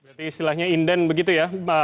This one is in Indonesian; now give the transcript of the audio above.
berarti istilahnya inden begitu ya